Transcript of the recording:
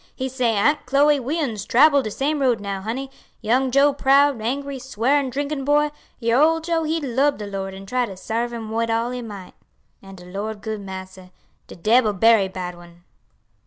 He say, 'Aunt Chloe we uns trabble de same road now, honey: young Joe proud, angry, swearing drinkin' boy, your Ole Joe he lub de Lord an' try to sarve Him wid all he might. And de Lord good Massa. De debbil berry bad one.'"